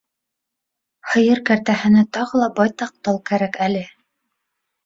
Һыйыр кәртәһенә тағы ла байтаҡ тал кәрәк әле.